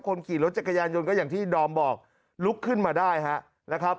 คนขี่รถจักรยานยนต์ก็อย่างที่ดอมบอกลุกขึ้นมาได้ฮะนะครับ